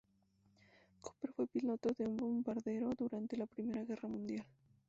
Cooper fue piloto de un bombardero durante la Primera Guerra Mundial.